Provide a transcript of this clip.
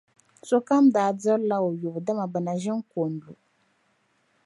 Sokam daa dirila o yubu, dama bɛ na ʒi n-ko n-lu.